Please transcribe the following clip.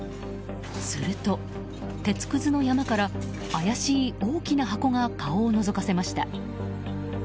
すると、鉄くずの山から怪しい大きな箱が顔をのぞかせました。